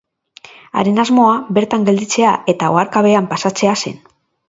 Haren asmoa bertan gelditzea eta oharkabean pasatzea zen.